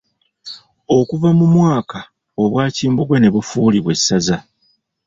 Okuva mu mwaka obwa Kimbugwe ne bafuulibwa Essaza.